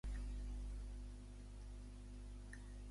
En quina emissora va tenir Margarita un programa?